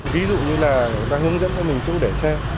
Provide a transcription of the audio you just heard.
ví dụ như là người ta hướng dẫn cho mình chữ để xe